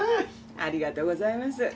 ありがとうございます。